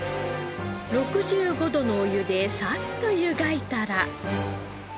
６５度のお湯でさっと湯がいたら。